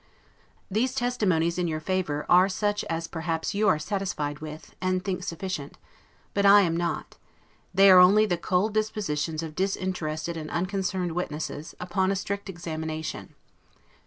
These testimonies in your favor are such as perhaps you are satisfied with, and think sufficient; but I am not; they are only the cold depositions of disinterested and unconcerned witnesses, upon a strict examination.